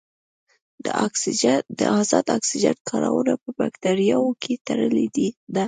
د ازاد اکسیجن کارونه په باکتریاوو کې تړلې ده.